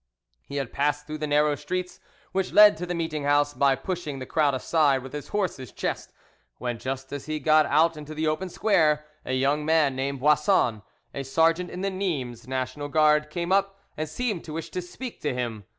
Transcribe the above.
He had passed through the narrow streets which led to the meeting house by pushing the crowd aside with his horse's chest, when, just as he got out into the open square, a young man named Boisson, a sergeant in the Nimes National Guard, came up and seemed to wish to speak to him.